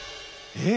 えっ！